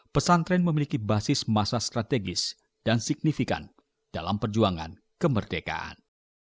pesantren memiliki basis masa strategis dan signifikan dalam perjuangan kemerdekaan